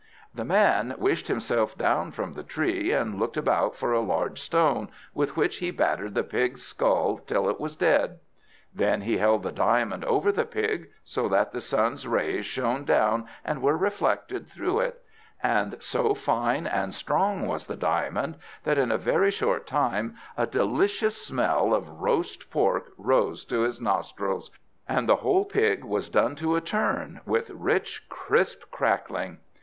The man wished himself down from the tree, and looked about for a large stone, with which he battered the pig's skull till it was dead. Then he held the diamond over the pig, so that the sun's rays shone down and were reflected through it; and so fine and strong was the diamond, that in a very short time a delicious smell of roast pork rose to his nostrils, and the whole pig was done to a turn, with rich crisp crackling.